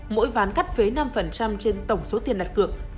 mỗi ván cắt phế năm trên tổng số tiền đặt cược